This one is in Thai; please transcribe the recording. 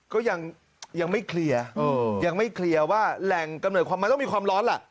ก็ยังไม่เคลียร์ยังไม่เคลียร์ว่าแหล่งกำเนิดความมันต้องมีความร้อนล่ะ